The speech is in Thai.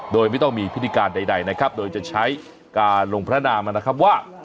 โดยไม่ต้องมีพิธีการใดนะครับโดยจะใช้การลงพระนามมานะครับว่า